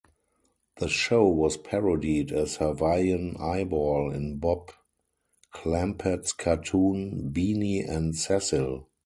The show was parodied as "Hawaiian Eyeball" in Bob Clampett's cartoon "Beany And Cecil".